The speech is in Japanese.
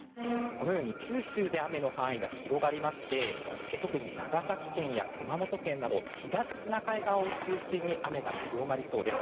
このように九州で雨の範囲が広がりまして特に長崎県や熊本県など東シナ海側を中心に雨が強まりそうです。